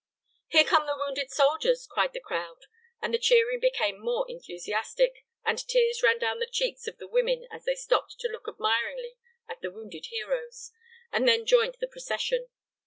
"Here come the wounded soldiers!" cried the crowd, and the cheering became more enthusiastic, and tears ran down the cheeks of the women as they stopped to look admiringly at the wounded heroes, and then joined the procession.